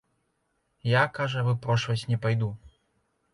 Я, кажа, выпрошваць не пайду.